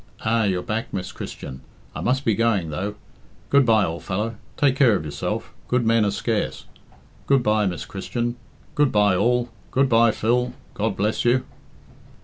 "Ah! you're back, Miss Christian? I must be going, though. Good bye, old fellow! Take care of yourself good men are scarce. Good bye, Miss Christian! Good bye, all! Good bye, Phil! God bless you!"